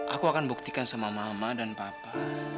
aku akan buktikan sama mama dan papa